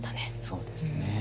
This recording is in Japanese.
そうですね。